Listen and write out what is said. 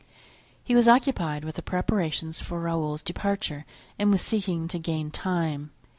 He was occupied with the preparations for Raoul's departure and was seeking to gain time.